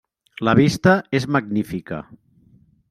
La vista és magnífica.